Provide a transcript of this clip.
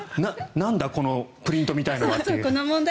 なんだこのプリントみたいなのはとか。